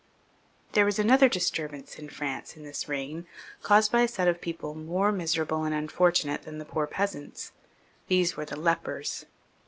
There was another disturbance in France in this reign, caused by a set of people more miserable and unfor tunate than the poor peasants ; these were the lepers.